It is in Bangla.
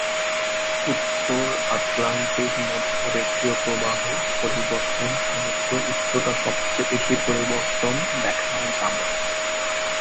উত্তর আটলান্টিক মধ্যরেখীয় প্রবাহ পরিবর্তন সমুদ্র উচ্চতা সবচেয়ে বেশি পরিবর্তন দেখা যাবে।